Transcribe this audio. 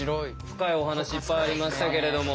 深いお話いっぱいありましたけれども。